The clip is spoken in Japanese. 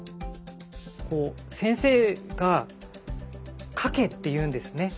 先生が描けって言うんですね。